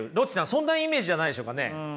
そんなイメージじゃないでしょうかね。